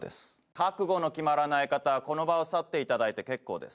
覚悟の決まらない方はこの場を去っていただいて結構です。